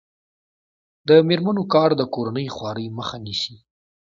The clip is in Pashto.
د میرمنو کار د کورنۍ خوارۍ مخه نیسي.